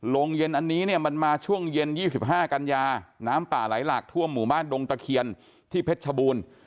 โรงเย็นอันนี้เนี่ยมันมาช่วงเย็น๒๕กันยาน้ำป่าไหลหลากท่วมหมู่บ้านดงตะเคียนที่เพชรชบูรณ์